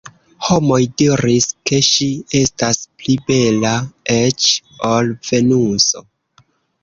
Homoj diris, ke ŝi estas pli bela eĉ ol Venuso.